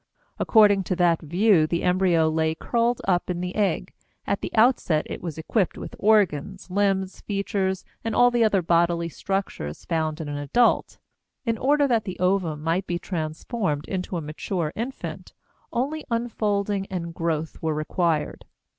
According to that view the embryo lay curled up in the egg; at the outset it was equipped with organs, limbs, features, and all the other bodily structures found in an adult. In order that the ovum might be transformed into a mature infant, only unfolding and growth were required.